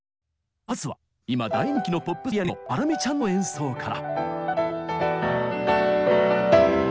まずは今大人気のポップスピアニストハラミちゃんの演奏から。